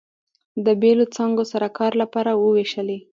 د بېلو څانګو سره کار لپاره ووېشلې.